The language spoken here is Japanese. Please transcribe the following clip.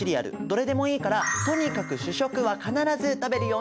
どれでもいいからとにかく朝こう